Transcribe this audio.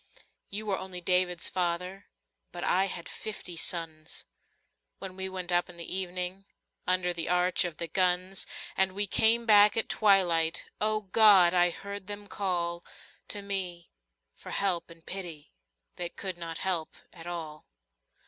You were, only David's father, But I had fifty sons When we went up in the evening Under the arch of the guns, And we came back at twilight — O God ! I heard them call To me for help and pity That could not help at all.